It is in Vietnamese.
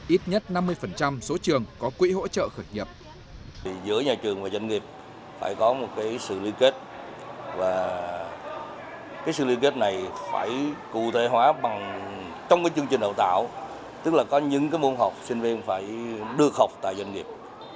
ít nhất năm mươi số trường có quỹ hỗ trợ khởi nghiệp